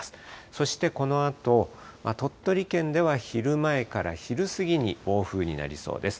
そしてこのあと、鳥取県では昼前から昼過ぎにかけて暴風になりそうです。